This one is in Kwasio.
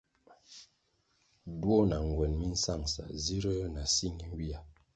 Duo na ngwen mi nsangʼsa zirū na si ñenywia.